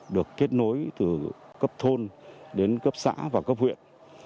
được kết nối từ cấp thôn đến cấp xã và cấp huyện